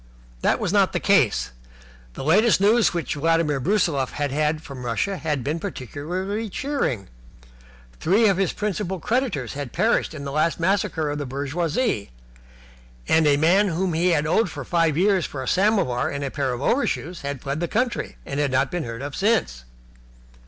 This was not the case. The latest news which Vladimir Brusiloff had had from Russia had been particularly cheering. Three of his principal creditors had perished in the last massacre of the bourgeoisie, and a man whom he owed for five years for a samovar and a pair of overshoes had fled the country, and had not been heard of since.